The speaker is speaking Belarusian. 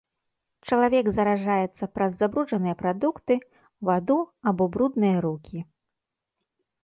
Чалавек заражаецца праз забруджаныя прадукты, ваду або брудныя рукі.